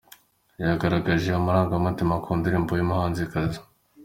yagaragaje amarangamutima ku ndirimbo y’umuhanzikazi